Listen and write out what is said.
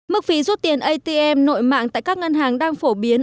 mức phí rút tiền atm nội mạng tại các ngân hàng đang phổ biến